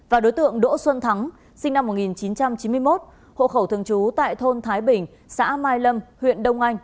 và đối tượng đỗ xuân thắng sinh năm một nghìn chín trăm chín mươi một hộ khẩu thường trú tại thôn thái bình xã mai lâm huyện đông anh